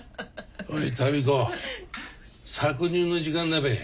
おい民子搾乳の時間だべ。